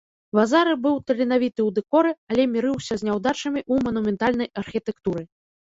Вазары быў таленавіты ў дэкоры, але мірыўся з няўдачамі ў манументальнай архітэктуры.